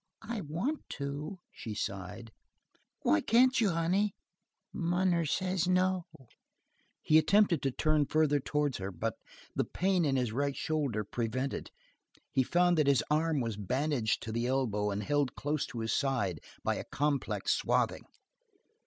"I want to," she sighed. "Why can't you, honey?" "Munner says no." He attempted to turn further towards her, but the pain in his right shoulder prevented. He found that his arm was bandaged to the elbow and held close to his side by a complex swathing.